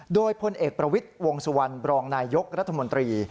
โดยพลเอกประวิทย์วงสุวรรณบรองนายยกรัฐมนตรี